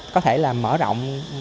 có thể là mở rộng